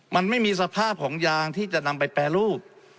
มันไม่มีสภาพของยางที่จะนำไปแปรรูป